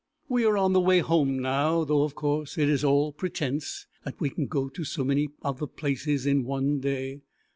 We are on the way home now, though, of course, it is all pretence that we can go to so many of the places in one day.